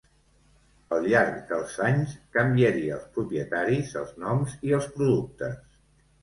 Al llarg dels anys canviaria els propietaris, els noms i els productes.